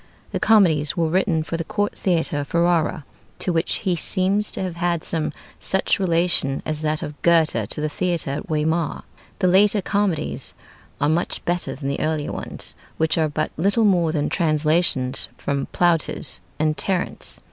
The comedies were written for the court theatre of Ferrara, to which he seems to have had some such relation as that of Goethe to the theatre at Weimar. The later comedies are much better than the early ones, which are but little more than translations from Plautus and Terence.